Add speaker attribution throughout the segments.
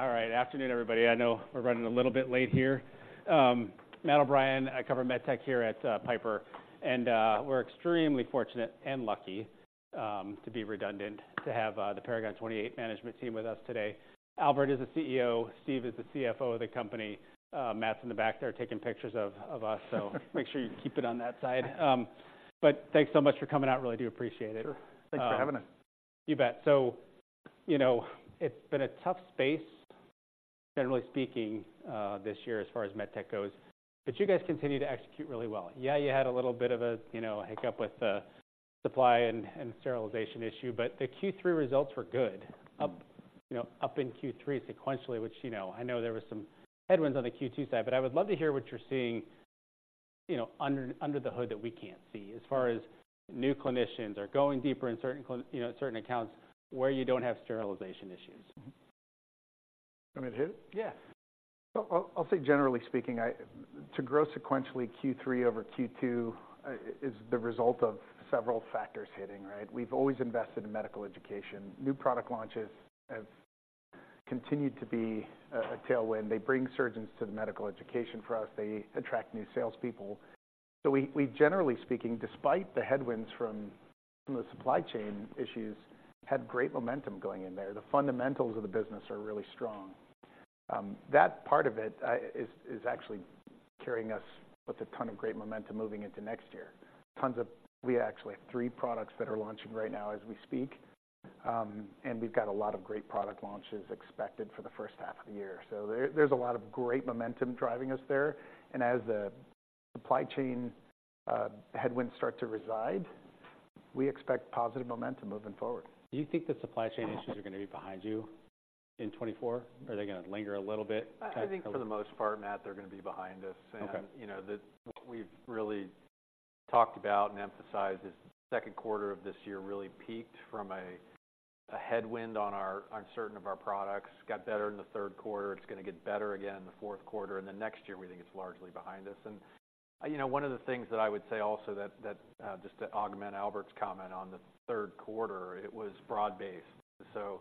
Speaker 1: All right. Afternoon, everybody. I know we're running a little bit late here. Matt O'Brien, I cover MedTech here at Piper, and we're extremely fortunate and lucky, to be redundant, to have the Paragon 28 management team with us today. Albert is the CEO, Steve is the CFO of the company. Matt's in the back there taking pictures of ourselves so make sure you keep it on that side. But thanks so much for coming out. Really do appreciate it.
Speaker 2: Thanks for having us.
Speaker 1: You bet. So, you know, it's been a tough space, generally speaking, this year, as far as MedTech goes, but you guys continue to execute really well. Yeah, you had a little bit of a, you know, hiccup with the supply and sterilization issue, but the Q3 results were good.
Speaker 2: Mm-hmm.
Speaker 1: Up, you know, up in Q3 sequentially, which, you know, I know there was some headwinds on the Q2 side, but I would love to hear what you're seeing, you know, under the hood that we can't see, as far as new clinicians or going deeper in certain, you know, certain accounts where you don't have sterilization issues.
Speaker 2: You want me to hit it?
Speaker 1: Yeah.
Speaker 2: Well, I'll say, generally speaking, to grow sequentially, Q3 over Q2, is the result of several factors hitting, right? We've always invested in medical education. New product launches have continued to be a tailwind. They bring surgeons to the medical education for us. They attract new salespeople. So we, generally speaking, despite the headwinds from the supply chain issues, had great momentum going in there. The fundamentals of the business are really strong. That part of it is actually carrying us with a ton of great momentum moving into next year. We actually have three products that are launching right now as we speak, and we've got a lot of great product launches expected for the first half of the year. So there, there's a lot of great momentum driving us there, and as the supply chain headwinds start to recede, we expect positive momentum moving forward.
Speaker 1: Do you think the supply chain issues are going to be behind you in 2024? Are they going to linger a little bit?
Speaker 3: I think for the most part, Matt, they're going to be behind us.
Speaker 1: Okay.
Speaker 3: You know, the—what we've really talked about and emphasized is the second quarter of this year really peaked from a headwind on our—uncertain of our products. Got better in the third quarter. It's going to get better again in the fourth quarter, and then next year, we think it's largely behind us. And, you know, one of the things that I would say also that, just to augment Albert's comment on the third quarter, it was broad-based. So,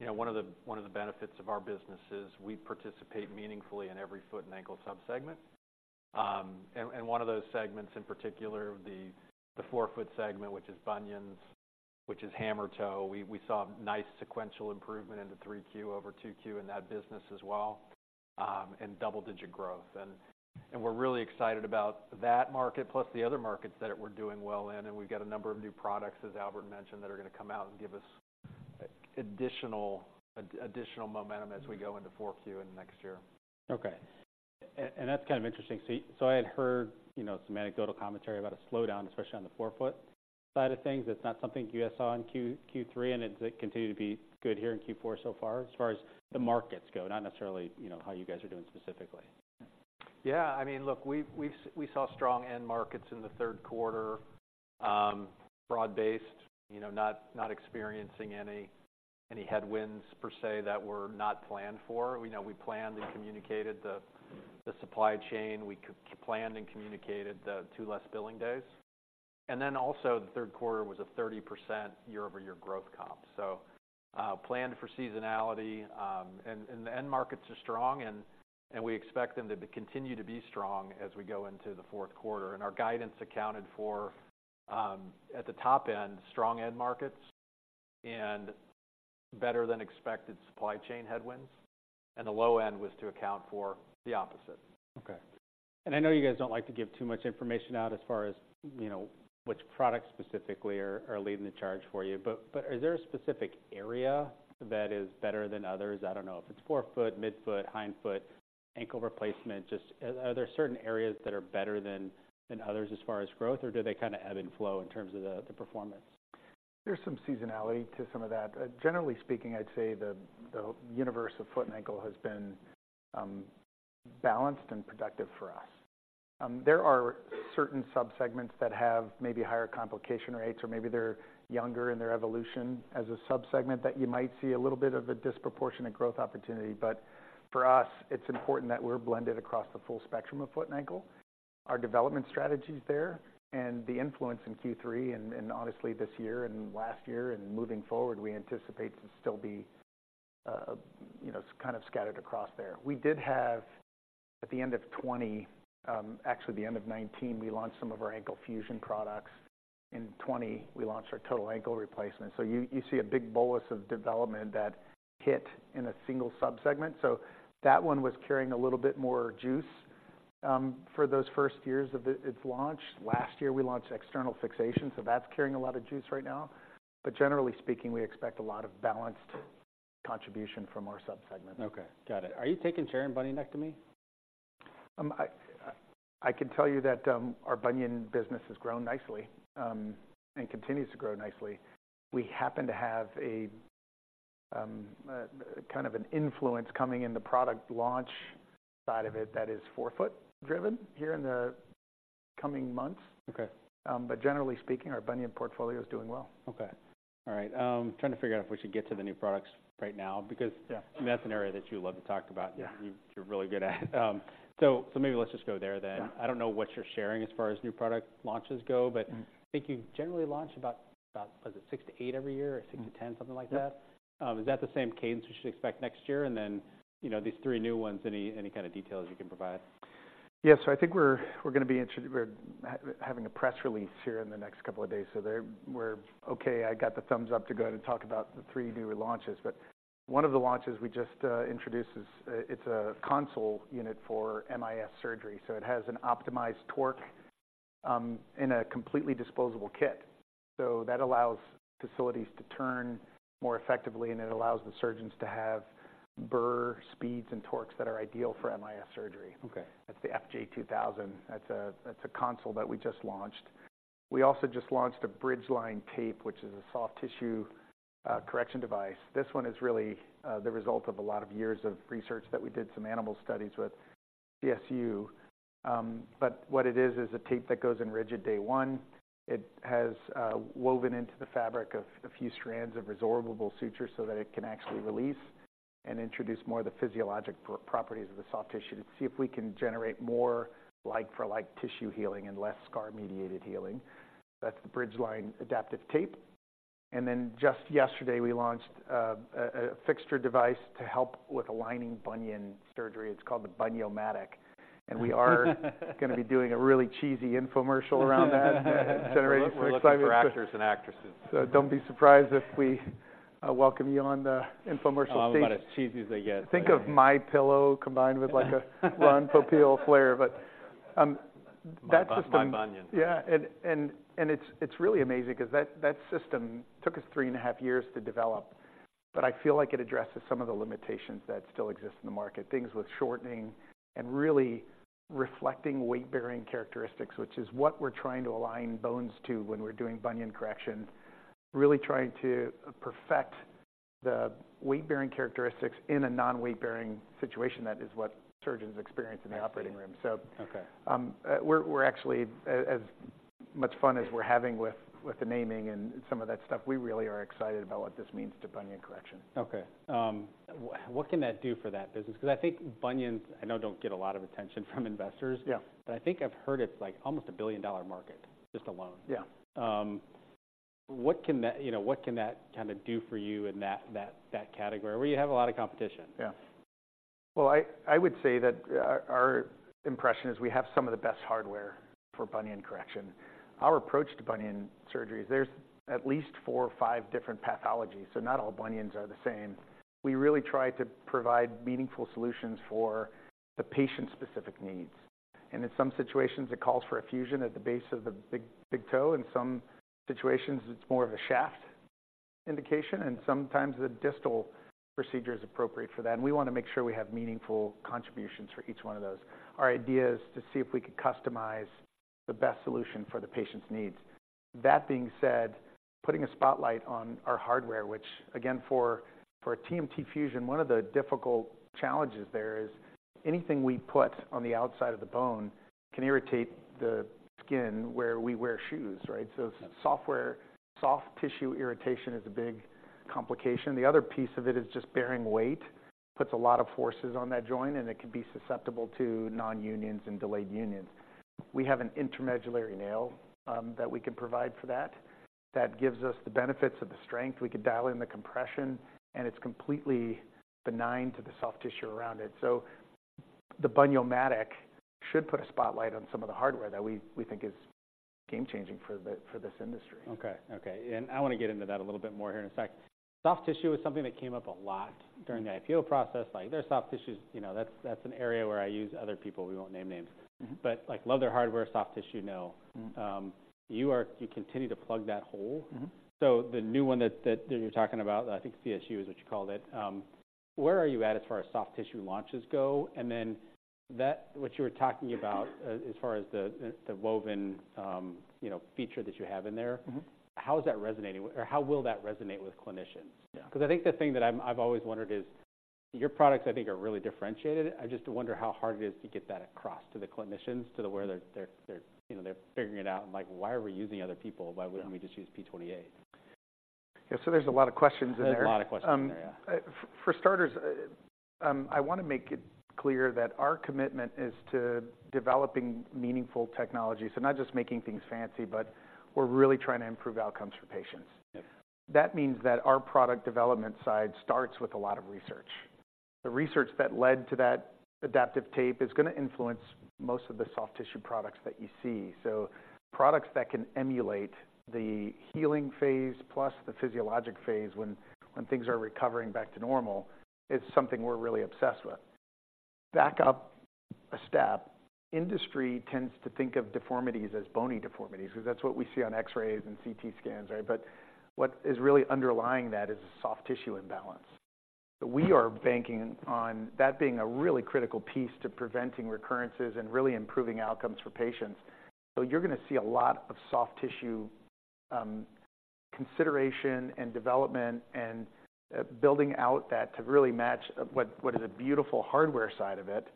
Speaker 3: you know, one of the benefits of our business is we participate meaningfully in every foot and ankle subsegment. And one of those segments, in particular, the forefoot segment, which is bunions, which is hammer toe, we saw nice sequential improvement into 3Q over 2Q in that business as well, and double-digit growth. We're really excited about that market plus the other markets that we're doing well in, and we've got a number of new products, as Albert mentioned, that are going to come out and give us additional momentum as we go into 4Q in the next year.
Speaker 1: Okay. And that's kind of interesting. So I had heard, you know, some anecdotal commentary about a slowdown, especially on the forefoot side of things. That's not something you guys saw in Q3, and it's continued to be good here in Q4 so far, as far as the markets go, not necessarily, you know, how you guys are doing specifically?
Speaker 3: Yeah. I mean, look, we saw strong end markets in the third quarter, broad-based, you know, not experiencing any headwinds per se, that were not planned for. We know we planned and communicated the supply chain. We planned and communicated the two less billing days, and then also the third quarter was a 30% year-over-year growth comp. So, planned for seasonality, and the end markets are strong and we expect them to continue to be strong as we go into the fourth quarter. And our guidance accounted for, at the top end, strong end markets and better-than-expected supply chain headwinds, and the low end was to account for the opposite.
Speaker 1: Okay. And I know you guys don't like to give too much information out as far as, you know, which products specifically are leading the charge for you, but is there a specific area that is better than others? I don't know if it's forefoot, midfoot, hindfoot, ankle replacement. Just are there certain areas that are better than others as far as growth, or do they kind of ebb and flow in terms of the performance?
Speaker 3: There's some seasonality to some of that. Generally speaking, I'd say the, the universe of foot and ankle has been, balanced and productive for us. There are certain subsegments that have maybe higher complication rates or maybe they're younger in their evolution as a subsegment that you might see a little bit of a disproportionate growth opportunity. But for us, it's important that we're blended across the full spectrum of foot and ankle. Our development strategy is there, and the influence in Q3 and, and honestly, this year and last year and moving forward, we anticipate to still be, you know, kind of scattered across there. We did have, at the end of 2020, actually, the end of 2019, we launched some of our ankle fusion products. In 2020, we launched our total ankle replacement. So you see a big bolus of development that hit in a single subsegment. So that one was carrying a little bit more juice for those first years of its launch. Last year, we launched external fixation, so that's carrying a lot of juice right now, but generally speaking, we expect a lot of balanced contribution from our subsegments.
Speaker 1: Okay, got it. Are you taking share in bunionectomy?
Speaker 3: I can tell you that our bunion business has grown nicely and continues to grow nicely. We happen to have kind of an influence coming in the product launch side of it that is forefoot driven here in the coming months.
Speaker 1: Okay.
Speaker 3: Generally speaking, our bunion portfolio is doing well.
Speaker 1: Okay. All right, trying to figure out if we should get to the new products right now because-
Speaker 3: Yeah...
Speaker 1: that's an area that you love to talk about-
Speaker 3: Yeah
Speaker 1: And you, you're really good at. So, so maybe let's just go there then.
Speaker 3: Yeah.
Speaker 1: I don't know what you're sharing as far as new product launches go, but-
Speaker 3: Mm-hmm
Speaker 1: I think you generally launch about six-eight every year, or six-10, something like that?
Speaker 3: Yeah.
Speaker 1: Is that the same cadence we should expect next year? And then, you know, these three new ones, any kind of details you can provide? ...
Speaker 2: Yes, so I think we're going to be. We're having a press release here in the next couple of days. So there, we're okay. I got the thumbs up to go ahead and talk about the three new launches, but one of the launches we just introduced is, it's a console unit for MIS surgery, so it has an optimized torque in a completely disposable kit. So that allows facilities to turn more effectively, and it allows the surgeons to have burr speeds and torques that are ideal for MIS surgery.
Speaker 1: Okay.
Speaker 2: That's the FJ2000. That's a console that we just launched. We also just launched a Bridgeline Tape, which is a soft tissue correction device. This one is really the result of a lot of years of research that we did some animal studies with CSU. But what it is, is a tape that goes in rigid day one. It has woven into the fabric a few strands of resorbable sutures so that it can actually release and introduce more of the physiologic properties of the soft tissue to see if we can generate more like-for-like tissue healing and less scar-mediated healing. That's the Bridgeline adaptive tape. And then just yesterday, we launched a fixture device to help with aligning bunion surgery. It's called the Bun-Yo-Matic. We are going to be doing a really cheesy infomercial around that, generating some excitement.
Speaker 1: We're looking for actors and actresses.
Speaker 2: So don't be surprised if we welcome you on the infomercial stage.
Speaker 1: I'm about as cheesy as they get.
Speaker 2: Think of MyPillow combined with, like, a Ron Popeil flair. But, that system-
Speaker 1: My bunion.
Speaker 2: Yeah, and it's really amazing because that system took us three and a half years to develop, but I feel like it addresses some of the limitations that still exist in the market. Things with shortening and really reflecting weight-bearing characteristics, which is what we're trying to align bones to when we're doing bunion correction. Really trying to perfect the weight-bearing characteristics in a non-weight-bearing situation, that is what surgeons experience in the operating room.
Speaker 1: Okay.
Speaker 2: We're actually, as much fun as we're having with the naming and some of that stuff, we really are excited about what this means to bunion correction.
Speaker 1: Okay. What can that do for that business? Because I think bunions, I know, don't get a lot of attention from investors.
Speaker 2: Yeah.
Speaker 1: But I think I've heard it's, like, almost a billion-dollar market just alone.
Speaker 2: Yeah.
Speaker 1: What can that, you know, what can that kinda do for you in that category, where you have a lot of competition?
Speaker 2: Yeah. Well, I would say that our impression is we have some of the best hardware for bunion correction. Our approach to bunion surgeries. There's at least four or five different pathologies, so not all bunions are the same. We really try to provide meaningful solutions for the patient-specific needs, and in some situations, it calls for a fusion at the base of the big, big toe. In some situations, it's more of a shaft indication, and sometimes the distal procedure is appropriate for that. And we want to make sure we have meaningful contributions for each one of those. Our idea is to see if we can customize the best solution for the patient's needs. That being said, putting a spotlight on our hardware, which again, for TMT fusion, one of the difficult challenges there is anything we put on the outside of the bone can irritate the skin where we wear shoes, right?
Speaker 1: Mm-hmm.
Speaker 2: So soft tissue irritation is a big complication. The other piece of it is just bearing weight puts a lot of forces on that joint, and it can be susceptible to nonunions and delayed unions. We have an intramedullary nail that we can provide for that. That gives us the benefits of the strength. We could dial in the compression, and it's completely benign to the soft tissue around it. So the Bun-Yo-Matic should put a spotlight on some of the hardware that we think is game-changing for this industry.
Speaker 1: Okay. Okay, and I want to get into that a little bit more here in a sec. Soft tissue is something that came up a lot-
Speaker 2: Mm-hmm.
Speaker 1: During the IPO process. Like, their soft tissues, you know, that's, that's an area where I use other people. We won't name names.
Speaker 2: Mm-hmm.
Speaker 1: But, like, love their hardware. Soft tissue, no.
Speaker 2: Mm-hmm.
Speaker 1: You continue to plug that hole.
Speaker 2: Mm-hmm.
Speaker 1: So the new one that you're talking about, I think CSU is what you called it. Where are you at as far as soft tissue launches go? And then that, what you were talking about as far as the woven, you know, feature that you have in there-
Speaker 2: Mm-hmm.
Speaker 1: How is that resonating? Or how will that resonate with clinicians?
Speaker 2: Yeah.
Speaker 1: 'Cause I think the thing that I'm, I've always wondered is, your products, I think, are really differentiated. I just wonder how hard it is to get that across to the clinicians, to the where they're, you know, figuring it out and like, "Why are we using other people? Why wouldn't we just use P28?
Speaker 2: Yeah, so there's a lot of questions in there.
Speaker 1: There's a lot of questions in there, yeah.
Speaker 2: For starters, I want to make it clear that our commitment is to developing meaningful technology. So not just making things fancy, but we're really trying to improve outcomes for patients.
Speaker 1: Yeah.
Speaker 2: That means that our product development side starts with a lot of research. The research that led to that adaptive tape is going to influence most of the soft tissue products that you see. So products that can emulate the healing phase, plus the physiologic phase, when, when things are recovering back to normal, is something we're really obsessed with. Back up a step, industry tends to think of deformities as bony deformities, 'cause that's what we see on X-rays and CT scans, right? But what is really underlying that is a soft tissue imbalance. So we are banking on that being a really critical piece to preventing recurrences and really improving outcomes for patients. So you're going to see a lot of soft tissue consideration and development and building out that to really match what what is a beautiful hardware side of it,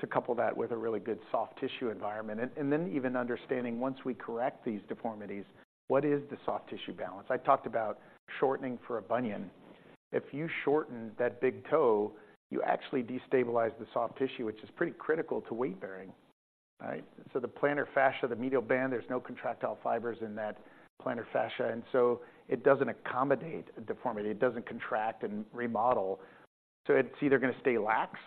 Speaker 2: to couple that with a really good soft tissue environment. And then even understanding, once we correct these deformities, what is the soft tissue balance? I talked about shortening for a bunion. If you shorten that big toe, you actually destabilize the soft tissue, which is pretty critical to weight bearing, right? So the plantar fascia, the medial band, there's no contractile fibers in that plantar fascia, and so it doesn't accommodate a deformity. It doesn't contract and remodel, so it's either going to stay lax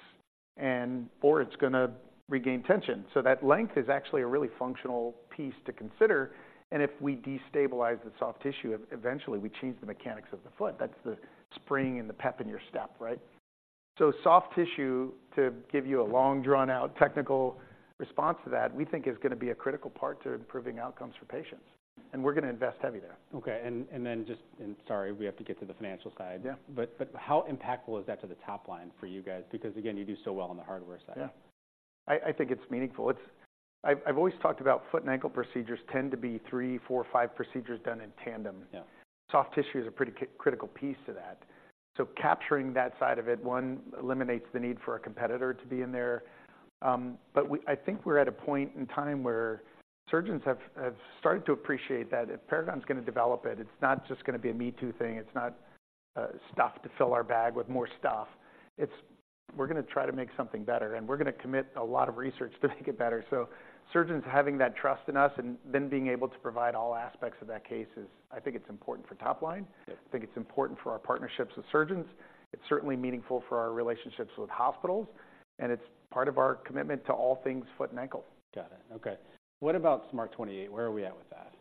Speaker 2: and or it's going to regain tension. So that length is actually a really functional piece to consider, and if we destabilize the soft tissue, eventually, we change the mechanics of the foot. That's the spring and the pep in your step, right? So soft tissue, to give you a long, drawn-out technical response to that, we think is going to be a critical part to improving outcomes for patients, and we're going to invest heavy there.
Speaker 1: Okay, and then, sorry, we have to get to the financial side.
Speaker 2: Yeah.
Speaker 1: But how impactful is that to the top line for you guys? Because, again, you do so well on the hardware side.
Speaker 2: Yeah. I think it's meaningful. It's. I've always talked about foot and ankle procedures tend to be three, four, or five procedures done in tandem.
Speaker 1: Yeah.
Speaker 2: Soft tissue is a pretty critical piece to that. So capturing that side of it, one, eliminates the need for a competitor to be in there. But we, I think we're at a point in time where surgeons have started to appreciate that if Paragon's going to develop it, it's not just going to be a me-too thing. It's not stuff to fill our bag with more stuff. It's, we're going to try to make something better, and we're going to commit a lot of research to make it better. So surgeons having that trust in us and then being able to provide all aspects of that case is... I think it's important for top line.
Speaker 1: Yeah.
Speaker 2: I think it's important for our partnerships with surgeons. It's certainly meaningful for our relationships with hospitals, and it's part of our commitment to all things foot and ankle.
Speaker 1: Got it. Okay. What about SMART 28? Where are we at with that?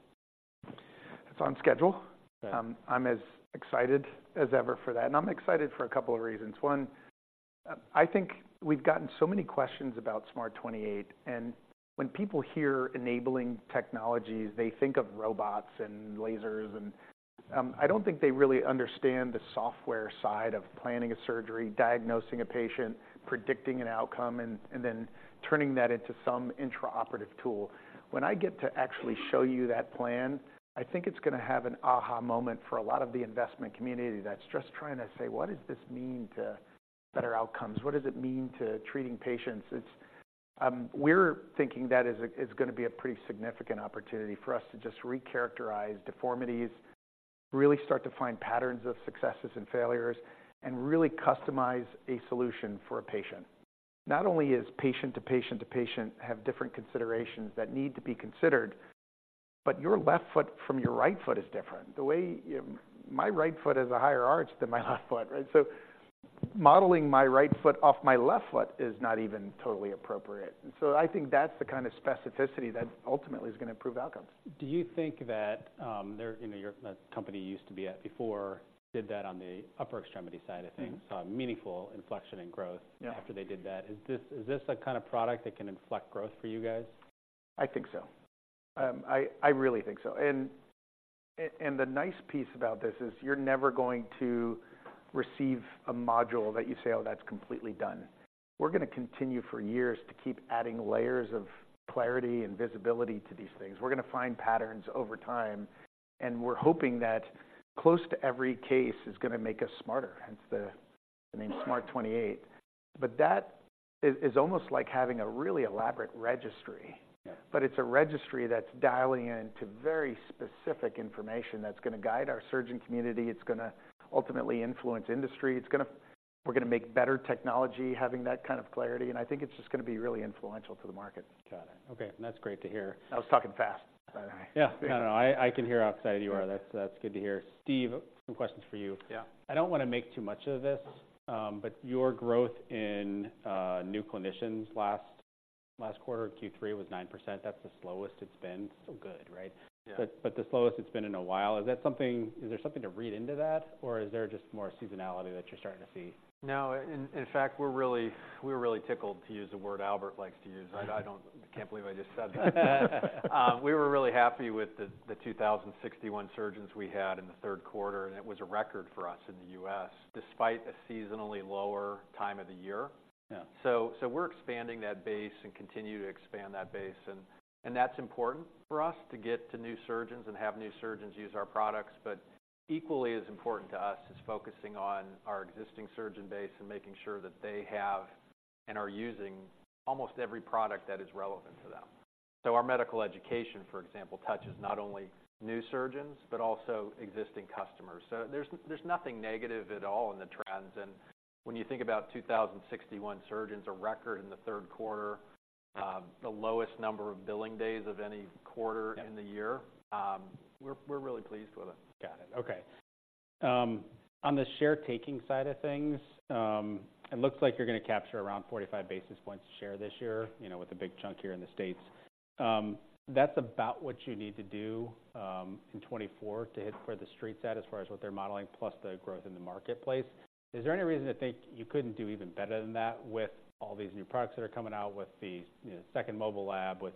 Speaker 2: It's on schedule.
Speaker 1: Okay.
Speaker 2: I'm as excited as ever for that, and I'm excited for a couple of reasons. One, I think we've gotten so many questions about SMART 28, and when people hear enabling technologies, they think of robots and lasers, and I don't think they really understand the software side of planning a surgery, diagnosing a patient, predicting an outcome, and then turning that into some intraoperative tool. When I get to actually show you that plan, I think it's going to have an aha moment for a lot of the investment community that's just trying to say: What does this mean to better outcomes? What does it mean to treating patients? It's, we're thinking that is going to be a pretty significant opportunity for us to just recharacterize deformities, really start to find patterns of successes and failures, and really customize a solution for a patient. Not only is patient to patient have different considerations that need to be considered, but your left foot from your right foot is different. The way... My right foot has a higher arch than my left foot, right? So modeling my right foot off my left foot is not even totally appropriate. And so I think that's the kind of specificity that ultimately is going to improve outcomes.
Speaker 1: Do you think that, you know, your company used to be at before, did that on the upper extremity side of things-
Speaker 2: Mm-hmm.
Speaker 1: saw a meaningful inflection in growth
Speaker 2: Yeah
Speaker 1: After they did that. Is this, is this the kind of product that can inflect growth for you guys?
Speaker 2: I think so. I really think so. And the nice piece about this is you're never going to receive a module that you say, "Oh, that's completely done." We're going to continue for years to keep adding layers of clarity and visibility to these things. We're going to find patterns over time, and we're hoping that close to every case is going to make us smarter, hence the name SMART 28. But that is almost like having a really elaborate registry.
Speaker 1: Yeah.
Speaker 2: But it's a registry that's dialing into very specific information that's going to guide our surgeon community, it's going to ultimately influence industry. It's going to. We're going to make better technology, having that kind of clarity, and I think it's just going to be really influential to the market.
Speaker 1: Got it. Okay, that's great to hear.
Speaker 2: I was talking fast, but.
Speaker 1: Yeah. No, no, I, I can hear how excited you are.
Speaker 2: Yeah.
Speaker 1: That's good to hear. Steve, some questions for you.
Speaker 3: Yeah.
Speaker 1: I don't want to make too much of this, but your growth in new clinicians last quarter, Q3, was 9%. That's the slowest it's been. Still good, right?
Speaker 3: Yeah.
Speaker 1: But, but the slowest it's been in a while. Is that something? Is there something to read into that, or is there just more seasonality that you're starting to see?
Speaker 3: No, in fact, we're really tickled, to use a word Albert likes to use. I don't... I can't believe I just said that. We were really happy with the 2,061 surgeons we had in the third quarter, and it was a record for us in the U.S., despite a seasonally lower time of the year.
Speaker 1: Yeah.
Speaker 3: So, so we're expanding that base and continue to expand that base, and, and that's important for us to get to new surgeons and have new surgeons use our products. But equally as important to us is focusing on our existing surgeon base and making sure that they have, and are using, almost every product that is relevant to them. So our medical education, for example, touches not only new surgeons, but also existing customers. So there's, there's nothing negative at all in the trends, and when you think about 2,061 surgeons, a record in the third quarter, the lowest number of billing days of any quarter-
Speaker 1: Yeah
Speaker 3: - In the year, we're really pleased with it.
Speaker 1: Got it. Okay. On the share taking side of things, it looks like you're going to capture around 45 basis points share this year, you know, with a big chunk here in the States. That's about what you need to do, in 2024 to hit where the Street's at, as far as what they're modeling, plus the growth in the marketplace. Is there any reason to think you couldn't do even better than that with all these new products that are coming out, with the, you know, second mobile lab, with,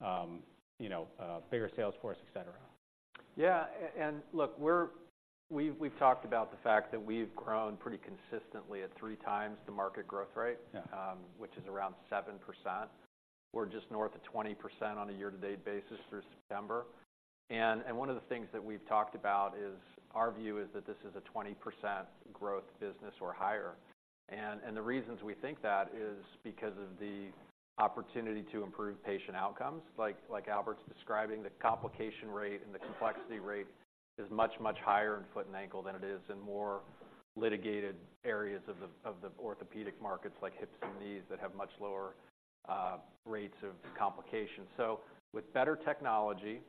Speaker 1: you know, bigger sales force, et cetera?
Speaker 3: Yeah, and look, we've talked about the fact that we've grown pretty consistently at three times the market growth rate-
Speaker 1: Yeah...
Speaker 3: which is around 7%. We're just north of 20% on a year-to-date basis through September. And one of the things that we've talked about is, our view is that this is a 20% growth business or higher. And the reasons we think that is because of the opportunity to improve patient outcomes. Like Albert's describing, the complication rate and the complexity rate is much, much higher in foot and ankle than it is in more litigated areas of the orthopedic markets, like hips and knees, that have much lower rates of complications. So with better technology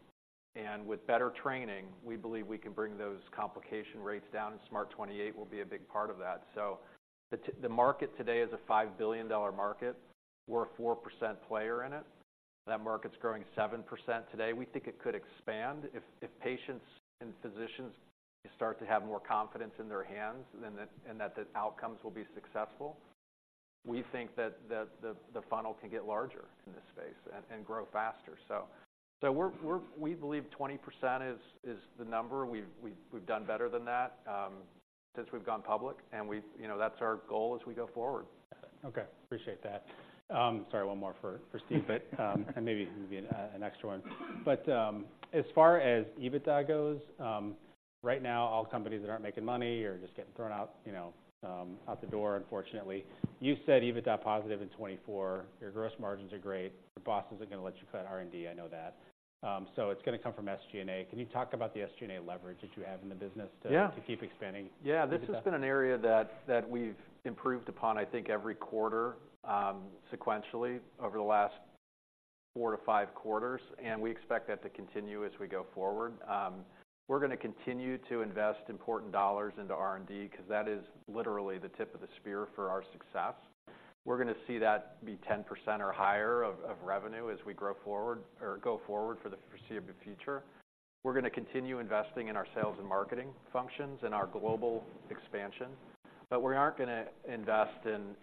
Speaker 3: and with better training, we believe we can bring those complication rates down, and SMART 28 will be a big part of that. So the market today is a $5 billion market. We're a 4% player in it. That market's growing 7% today. We think it could expand if patients and physicians start to have more confidence in their hands, and that the outcomes will be successful. We think that the funnel can get larger in this space and grow faster. So we're—we believe 20% is the number. We've done better than that since we've gone public, and you know, that's our goal as we go forward. </transcript
Speaker 1: Okay, appreciate that. Sorry, one more for Steve, but and maybe an extra one. But as far as EBITDA goes, right now, all companies that aren't making money are just getting thrown out, you know, out the door, unfortunately. You said EBITDA positive in 2024. Your gross margins are great. Your boss isn't going to let you cut R&D. I know that. So it's going to come from SG&A. Can you talk about the SG&A leverage that you have in the business to-
Speaker 3: Yeah.
Speaker 1: To keep expanding?
Speaker 3: Yeah, this has been an area that we've improved upon, I think, every quarter sequentially over the last four-five quarters, and we expect that to continue as we go forward. We're going to continue to invest important dollars into R&D, 'cause that is literally the tip of the spear for our success. We're going to see that be 10% or higher of revenue as we grow forward, or go forward for the foreseeable future. We're going to continue investing in our sales and marketing functions and our global expansion, but we aren't going to invest in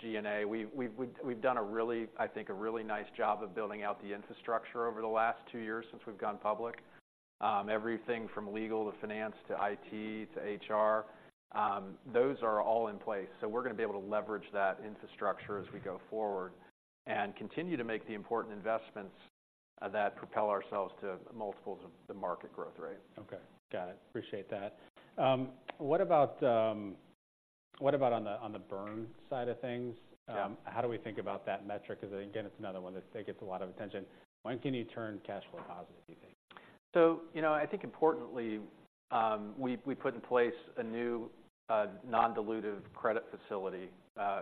Speaker 3: G&A. We've done a really, I think, a really nice job of building out the infrastructure over the last two years since we've gone public. Everything from legal to finance, to IT, to HR, those are all in place, so we're going to be able to leverage that infrastructure as we go forward and continue to make the important investments that propel ourselves to multiples of the market growth rate.
Speaker 1: Okay, got it. Appreciate that. What about on the burn side of things?
Speaker 3: Yeah.
Speaker 1: How do we think about that metric? 'Cause again, it's another one that gets a lot of attention. When can you turn cash flow positive, do you think?
Speaker 3: So, you know, I think importantly, we put in place a new non-dilutive credit facility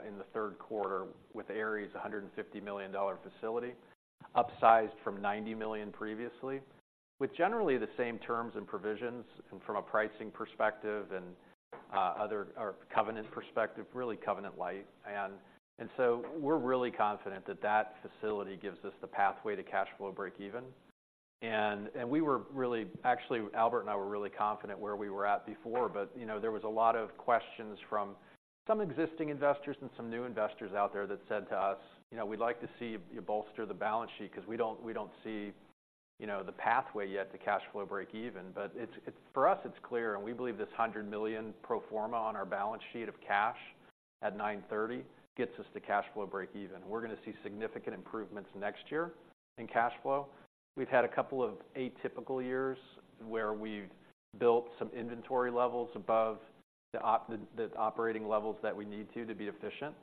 Speaker 3: in the third quarter with Ares, $150 million facility, upsized from 90 million previously, with generally the same terms and provisions from a pricing perspective and covenant perspective, really covenant-lite. And so we're really confident that that facility gives us the pathway to cash flow breakeven. We were really—actually, Albert and I were really confident where we were at before, but, you know, there was a lot of questions from some existing investors and some new investors out there that said to us, "You know, we'd like to see you bolster the balance sheet, 'cause we don't, we don't see, you know, the pathway yet to cash flow breakeven." But it's, it's, for us, it's clear, and we believe this 100 million pro forma on our balance sheet of cash at 9/30 gets us to cash flow breakeven. We're going to see significant improvements next year in cash flow. We've had a couple of atypical years where we've built some inventory levels above the operating levels that we need to be efficient.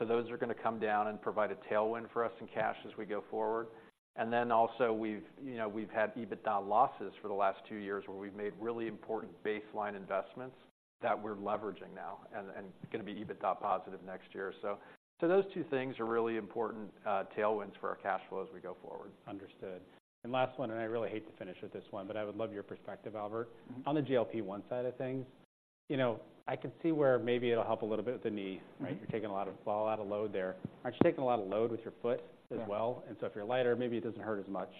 Speaker 3: So those are going to come down and provide a tailwind for us in cash as we go forward. And then also, we've, you know, we've had EBITDA losses for the last two years, where we've made really important baseline investments that we're leveraging now and, and going to be EBITDA positive next year. So, so those two things are really important, tailwinds for our cash flow as we go forward.
Speaker 1: Understood. And last one, and I really hate to finish with this one, but I would love your perspective, Albert.
Speaker 2: Mm-hmm.
Speaker 1: On the GLP-1 side of things, you know, I can see where maybe it'll help a little bit with the knee, right?
Speaker 2: Mm-hmm.
Speaker 1: You're taking a lot of, a lot of load there. Aren't you taking a lot of load with your foot as well?
Speaker 2: Yeah.
Speaker 1: And so if you're lighter, maybe it doesn't hurt as much.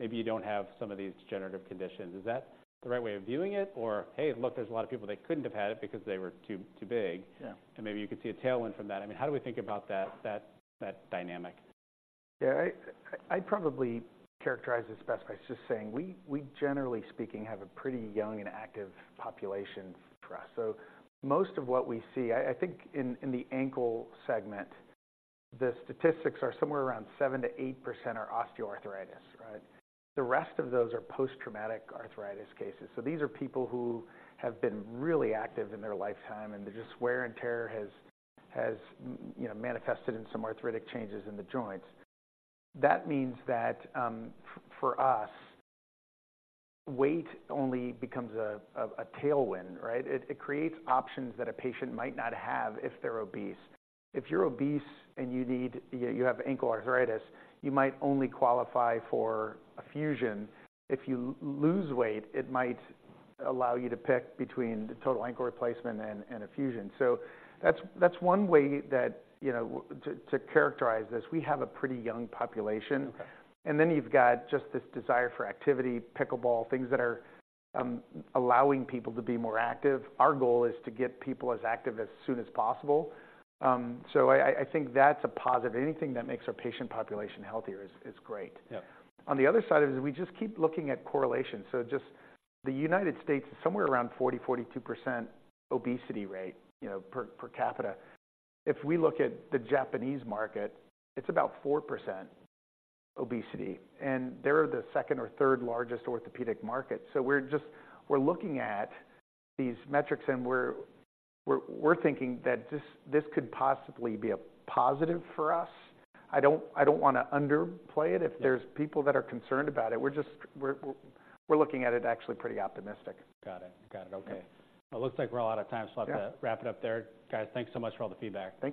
Speaker 1: Maybe you don't have some of these degenerative conditions. Is that the right way of viewing it? Or, hey, look, there's a lot of people that couldn't have had it because they were too, too big.
Speaker 2: Yeah.
Speaker 1: Maybe you could see a tailwind from that. I mean, how do we think about that dynamic?
Speaker 2: Yeah, I'd probably characterize this best by just saying we generally speaking have a pretty young and active population for us. So most of what we see, I think in the ankle segment, the statistics are somewhere around 7%-8% are osteoarthritis, right? The rest of those are post-traumatic arthritis cases. So these are people who have been really active in their lifetime, and their wear and tear has you know manifested in some arthritic changes in the joints. That means that for us, weight only becomes a tailwind, right? It creates options that a patient might not have if they're obese. If you're obese and you need. You have ankle arthritis, you might only qualify for a fusion. If you lose weight, it might allow you to pick between the total ankle replacement and a fusion. So that's one way that, you know, to characterize this. We have a pretty young population.
Speaker 1: Okay.
Speaker 2: Then you've got just this desire for activity, pickleball, things that are allowing people to be more active. Our goal is to get people as active as soon as possible. So I think that's a positive. Anything that makes our patient population healthier is great.
Speaker 1: Yeah.
Speaker 2: On the other side of it, we just keep looking at correlation. So just the United States is somewhere around 40-42% obesity rate, you know, per capita. If we look at the Japanese market, it's about 4% obesity, and they're the second or third largest orthopedic market. So we're just thinking that this could possibly be a positive for us. I don't want to underplay it.
Speaker 1: Yeah.
Speaker 2: If there's people that are concerned about it, we're looking at it actually pretty optimistic.
Speaker 1: Got it. Got it, okay.
Speaker 2: Yeah.
Speaker 1: It looks like we're all out of time.
Speaker 2: Yeah.
Speaker 1: So I'll have to wrap it up there. Guys, thanks so much for all the feedback.
Speaker 3: Thank you.